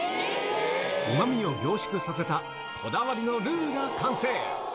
うまみを凝縮させたこだわりのルーが完成。